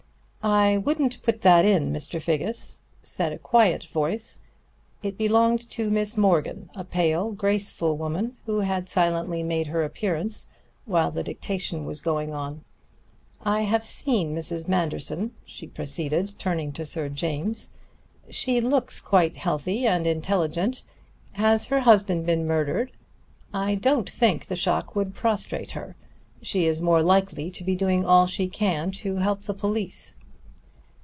"I wouldn't put that in, Mr. Figgis," said a quiet voice. It belonged to Miss Morgan, a pale, graceful woman, who had silently made her appearance while the dictation was going on. "I have seen Mrs. Manderson," she proceeded, turning to Sir James. "She looks quite healthy and intelligent. Has her husband been murdered? I don't think the shock would prostrate her. She is more likely to be doing all she can to help the police."